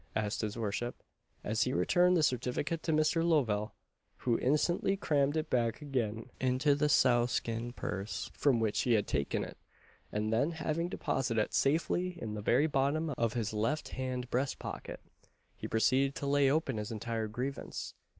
'" asked his worship, as he returned the certificate to Mr. Lovell, who instantly crammed it back again into the sow skin purse from which he had taken it; and then having deposited it safely in the very bottom of his left hand breast pocket, he proceeded to lay open his entire grievance.